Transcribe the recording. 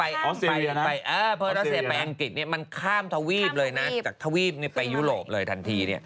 เพราะรัสเซียไปอังกฤษมันข้ามทวีปเลยนะจากทวีปไปยุโรปเลยทันที